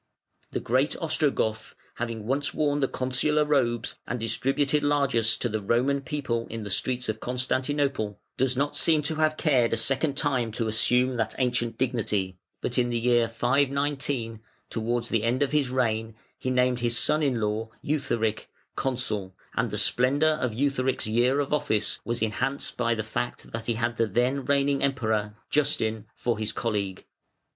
The great Ostrogoth, having once worn the Consular robes and distributed largess to "the Roman People" in the streets of Constantinople, does not seem to have cared a second time to assume that ancient dignity, but in the year 519, towards the end of his reign, he named his son in law, Eutharic, Consul, and the splendour of Eutharic's year of office was enhanced by the fact that he had the then reigning Emperor, Justin, for his colleague.